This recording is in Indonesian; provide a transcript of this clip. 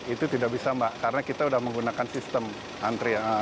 itu tidak bisa mbak karena kita sudah menggunakan sistem antrian